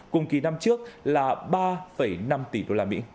cùng kỳ năm trước là ba năm tỷ usd